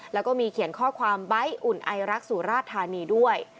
แล้วก็มีเขียนข้อความใบ้อุ่นไอรักสุราชธานีด้วย